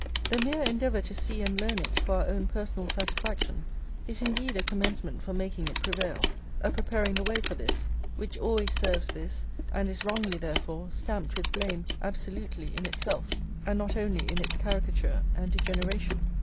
The mere endeavour to see and learn it for our own personal satisfaction is indeed a commencement for making it prevail, a preparing the way for this, which always serves this, and is wrongly, therefore, stamped with blame absolutely in itself, and not only in its caricature and degeneration.